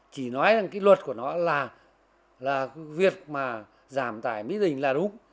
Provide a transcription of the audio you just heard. chỉ nói rằng cái luật của nó là việc mà giảm tài mỹ dình là đúng